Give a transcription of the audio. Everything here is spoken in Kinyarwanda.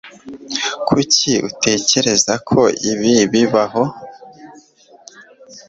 Kuki utekereza ko ibi bibaho?